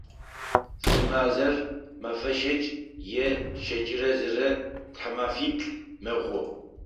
Зы мазэр мэфэ щэкӏ е щэкӏырэ зырэ, тхьэмэфиплӏ мэхъу.